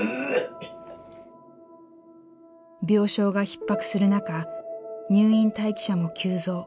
病床がひっ迫する中入院待機者も急増。